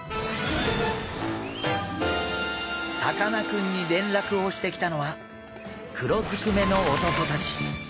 さかなクンに連絡をしてきたのは黒ずくめの男たち。